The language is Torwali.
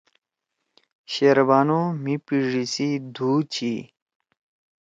شیربانو مھی پیِڙی سی دُھو چھی۔